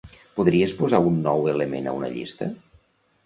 Podries posar un nou element a una llista?